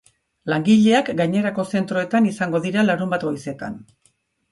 Langileak gainerako zentroetan izango dira larunbat goizetan.